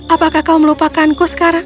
apakah kau melupakanku sekarang